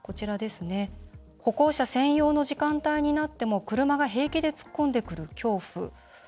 「歩行者専用の時間帯になっても車が平気で突っ込んでくる恐怖」。